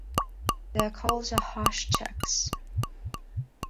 Their calls are harsh "chak"'s.